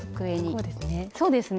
こうですね。